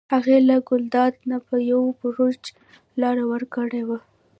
هغې له ګلداد نه په یو بړچ لاره ورکه کړه.